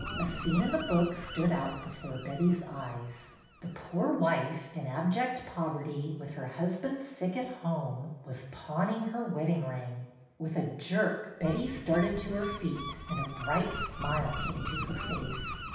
A scene in the book stood out before Betty's eyes. The poor "UNCLE'' GOLDSTEIN 173 wife, in abject poverty, with her husband sick at home, was pawning her wedding rin^. With a jerk Betty started to her feet, and a bright smile came to her face.